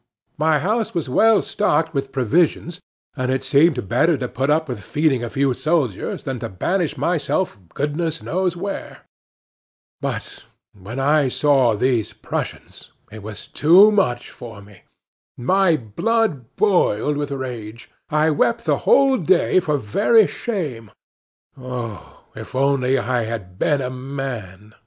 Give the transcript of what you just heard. "My house was well stocked with provisions, and it seemed better to put up with feeding a few soldiers than to banish myself goodness knows where. But when I saw these Prussians it was too much for me! My blood boiled with rage; I wept the whole day for very shame. Oh, if only I had been a man!